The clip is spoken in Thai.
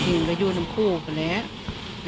จริงก็อยู่น้ำคู่ก็แหละ